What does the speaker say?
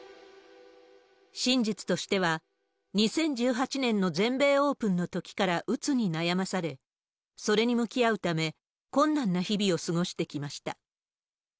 真実としては、２０１８年の全米オープンのときからうつに悩まされ、それに向き合うため、困難な日々を過ごしてきました。